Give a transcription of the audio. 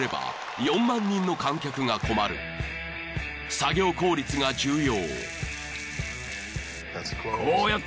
［作業効率が重要］